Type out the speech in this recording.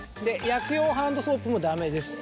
薬用ハンドソープもダメです。